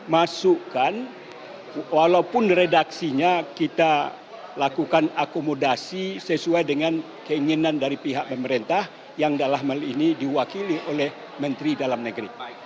masukkan walaupun redaksinya kita lakukan akomodasi sesuai dengan keinginan dari pihak pemerintah yang dalam hal ini diwakili oleh menteri dalam negeri